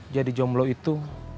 jadi jomlo itu